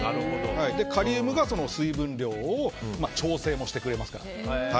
カリウムが水分量を調整もしてくれますから。